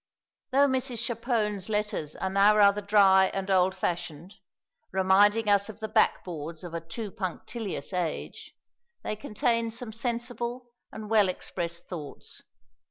Though Mrs. Chapone's letters are now rather dry and old fashioned, reminding us of the backboards of a too punctilious age, they contain some sensible and well expressed thoughts.